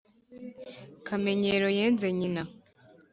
Kamenyero yenze nyina.